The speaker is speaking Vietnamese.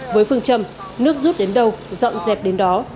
với phương châm nước rút đến đâu dọn dẹp đến đó